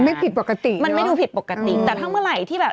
มันไม่ดูผิดปกติเนอะมันไม่ดูผิดปกติแต่ตั้งเมื่อไหร่ที่แบบ